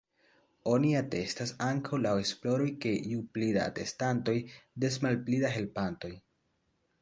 Oni atestas ankaŭ laŭ esploroj, ke ju pli da atestantoj, des malpli da helpantoj.